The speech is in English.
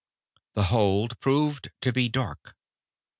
The hold proved to be dark.